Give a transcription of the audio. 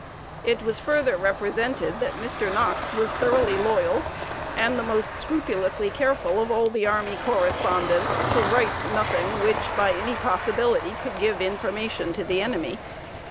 It was further represented that Mr. Knox was thoroughly loyal, and the most scrupulously careful of all the army correspondents to write nothing which, by any possibility, could give information to the enemy.